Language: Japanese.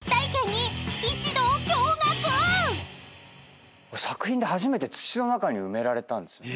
作品で初めて土の中に埋められたんですよ。